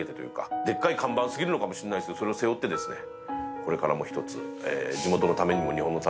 「でっかい看板過ぎるのかもしれないですがそれを背負ってこれからもひとつ」